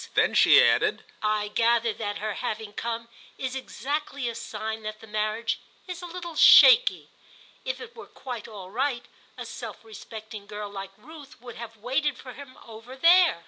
Then she added: "I gather that her having come is exactly a sign that the marriage is a little shaky. If it were quite all right a self respecting girl like Ruth would have waited for him over there."